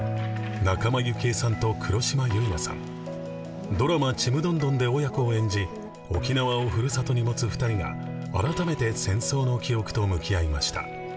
仲間由紀恵さんと黒島結菜さん、ドラマ、ちむどんどんで親子を演じ、沖縄をふるさとに持つ２人が、改めて戦争の記憶と向き合いました。